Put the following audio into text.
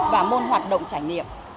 và môn hoạt động trải nghiệm